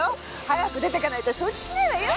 早く出ていかないと承知しないわよ。